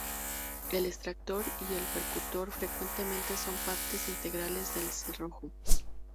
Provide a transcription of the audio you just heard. El extractor y el percutor frecuentemente son partes integrales del cerrojo.